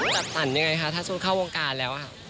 จัดตันยังไงคะถ้าสู้เข้าวงการแล้ว